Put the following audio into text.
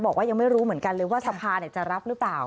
บอกว่ายังไม่รู้เหมือนกันเลยว่าสภาจะรับหรือเปล่า